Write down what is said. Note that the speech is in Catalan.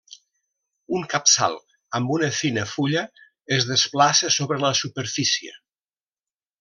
Un capçal amb una fina fulla, es desplaça sobre la superfície.